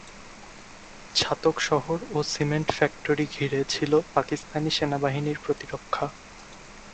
ছাতক শহর ও cement factory ঘিরে ছিল পাকিস্তানি সেনাবাহিনীর প্রতিরক্ষা।